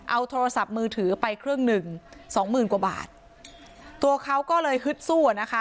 เอาโทรศัพท์มือถือไปเครื่องหนึ่งสองหมื่นกว่าบาทตัวเขาก็เลยฮึดสู้อะนะคะ